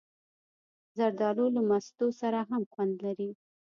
زردالو له مستو سره هم خوند لري.